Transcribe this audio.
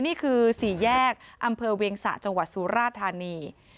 นี่คือศรีแยกอำเภอเวียงสะจังหวัดสุราธารณี